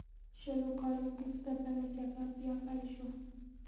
شلو کالو وروسته بله جګړه بیا پیل شوه.